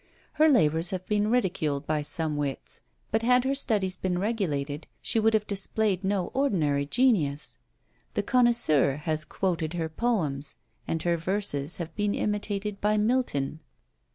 Her labours have been ridiculed by some wits; but had her studies been regulated, she would have displayed no ordinary genius. The Connoisseur has quoted her poems, and her verses have been imitated by Milton.